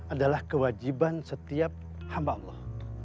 adalah kewajiban setiap hamba allah